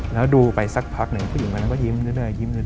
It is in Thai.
แล้วดูไปสักพักหนึ่งผู้หญิงมาแล้วก็ยิ้มเรื่อย